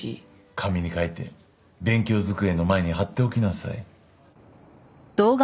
紙に書いて勉強机の前に貼っておきなさい。